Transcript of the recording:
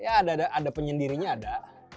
ya ada penyendirinya ada